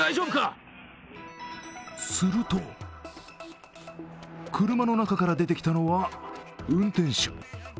すると、車の中から出てきたのは運転手。